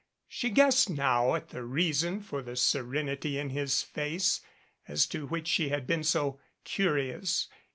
She guessed now at the rea son for the serenity in his face, as to which she had been so curious.